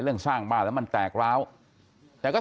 คุณต้องการรู้สิทธิ์ของเขา